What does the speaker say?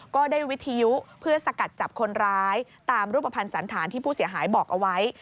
ก็ได้วิทยุเพื่อสกัดจับคนร้ายตามรูปภัณฑ์สันธารที่ผู้เสียหายบอกเอาไว้